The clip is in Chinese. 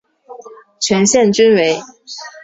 全线均为。